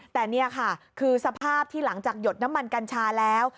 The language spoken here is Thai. แต่นี่ค่ะคือสภาพที่หลังจากหยดน้ำมันกัญชาแล้ว